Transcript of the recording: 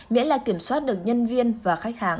miễn là kiểm soát được nhân viên và khách hàng